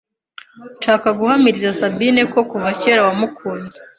nshaka guhamiriza Sabine ko kuva cyera wamukunze,